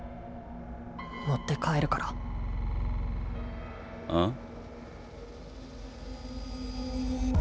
持って帰るからあっ？